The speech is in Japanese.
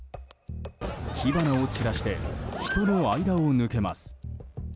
火花を散らして人の間を抜けます。